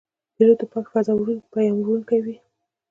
پیلوټ د پاکې فضا پیاموړونکی وي.